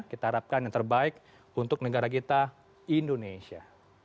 kita harapkan yang terbaik untuk negara kita indonesia